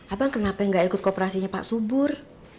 abang kenapa yang ga ikut kooperasinya pak subur